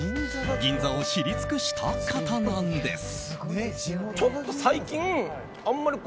銀座を知り尽くした方なんです。